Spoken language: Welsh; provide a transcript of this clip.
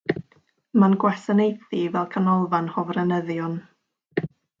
Mae'n gwasanaethu fel canolfan hofrenyddion.